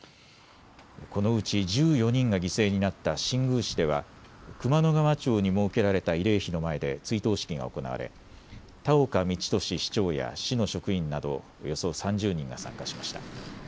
このうち１４人が犠牲になった新宮市では熊野川町に設けられた慰霊碑の前で追悼式が行われ田岡実千年市長や市の職員などおよそ３０人が参加しました。